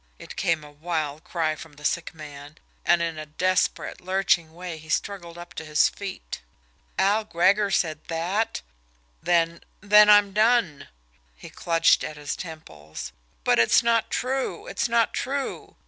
it came in a wild cry from the sick man, and in a desperate, lurching way he struggled up to his feet. "Al Gregor said that? Then then I'm done!" He clutched at his temples. "But it's not true it's not true!